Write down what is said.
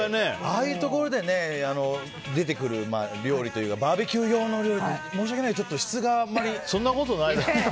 ああいうところで出てくる料理というかバーベキュー用の料理って申し訳ないけどそんなことない。